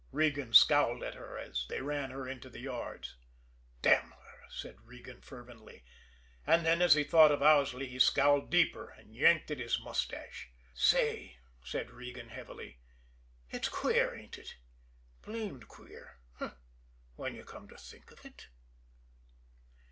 Regan scowled at her as they ran her into the yards. "Damn her!" said Regan fervently; and then, as he thought of Owsley, he scowled deeper, and yanked at his mustache. "Say," said Regan heavily, "it's queer, ain't it? Blamed queer h'm when you come to think of it?"